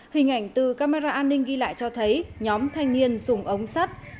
hình ảnh từ camera an ninh ghi lại cho thấy nhóm thanh niên dùng ống sắt